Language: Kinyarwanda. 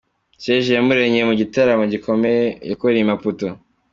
Serge Iyamuremye mu gitaramo gikomeye yakoreye i Maputo.